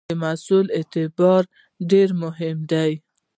د محصول اعتبار ډېر مهم دی.